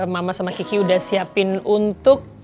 mama sama kiki udah siapin untuk